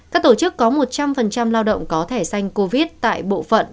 các tổ chức có một trăm linh lao động có thẻ xanh covid tại bộ phận